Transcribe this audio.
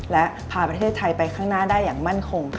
และพาประเทศไทยไปข้างหน้าได้อย่างมั่นคงค่ะ